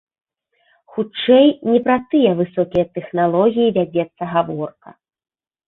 Хутчэй, не пра тыя высокія тэхналогіі вядзецца гаворка.